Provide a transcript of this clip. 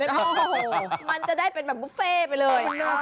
โอ้โหมันจะได้เป็นแบบบุฟเฟ่ไปเลย